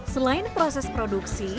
selain proses produksi